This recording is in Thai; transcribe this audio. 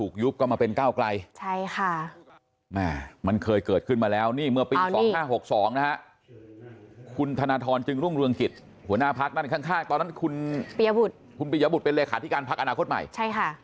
ขอบคุณมากครับท่านประตาศ